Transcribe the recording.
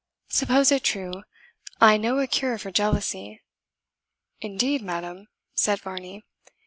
Suppose it true, I know a cure for jealousy." "Indeed, madam?" said Varney.